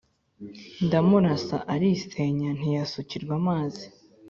ndamurasa alisenya ntiyasukirwa amazi,